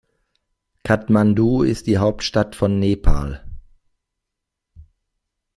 Kathmandu ist die Hauptstadt von Nepal.